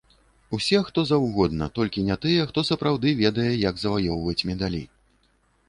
Усе, хто заўгодна, толькі не тыя, хто сапраўды ведае, як заваёўваць медалі.